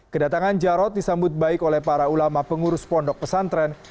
kedatangan jarod disambut baik oleh para ulama pengurus pondok pesantren